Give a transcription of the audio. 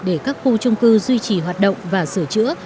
để các khu trung cư duy trì hoạt động và sửa chữa